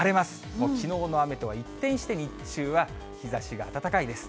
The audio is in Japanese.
もうきのうの雨とは一転して、日中は日ざしが暖かいです。